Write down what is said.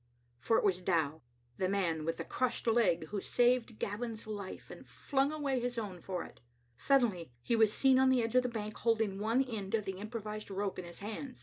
For it was Dow, the man with the crushed leg, who saved Gavin's life, and flung away his own for it. Sud denly he was seen on the edge of the bank, holding one end of the improvised rope in his hand.